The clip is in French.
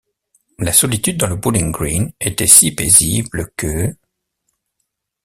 La solitude dans le bowling-green était si paisible que